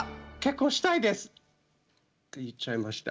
って言っちゃいました。